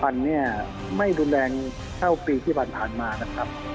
ความรุนแรงไม่รุนแรงเท่าปีที่ผ่านมานะครับ